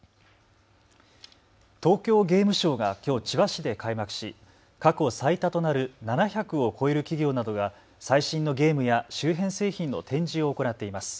東京ゲームショウがきょう千葉市で開幕し、過去最多となる７００を超える企業などが最新のゲームや周辺製品の展示を行っています。